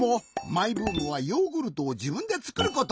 マイブームはヨーグルトをじぶんでつくること。